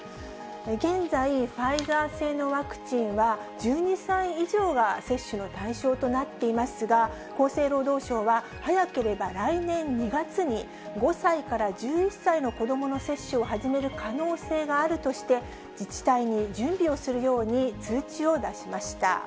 現在、ファイザー製のワクチンは、１２歳以上が接種の対象となっていますが、厚生労働省は、早ければ来年２月に、５歳から１１歳の子どもの接種を始める可能性があるとして、自治体に準備をするように通知を出しました。